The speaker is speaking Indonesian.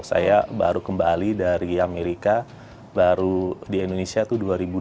saya baru kembali dari amerika baru di indonesia itu dua ribu dua puluh